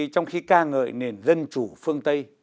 trong khi ca ngợi nền dân chủ phương tây